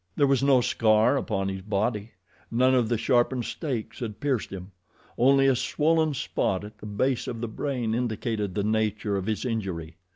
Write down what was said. There was no scar upon his body. None of the sharpened stakes had pierced him only a swollen spot at the base of the brain indicated the nature of his injury.